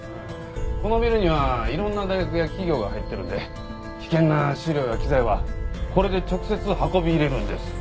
このビルにはいろんな大学や企業が入ってるんで危険な試料や機材はこれで直接運び入れるんです。